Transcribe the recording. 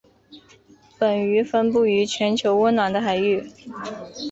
本鱼分布于全球温暖的海域。